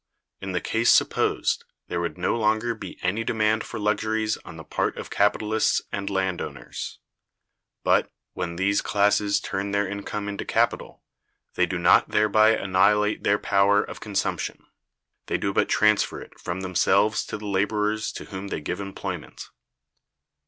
In the case supposed, there would no longer be any demand for luxuries on the part of capitalists and land owners. But, when these classes turn their income into capital, they do not thereby annihilate their power of consumption; they do but transfer it from themselves to the laborers to whom they give employment.